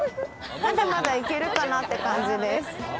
まだまだ、いけるかなって感じです。